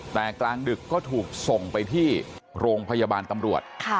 แต่กลางดึกก็ถูกส่งไปที่โรงพยาบาลตำรวจ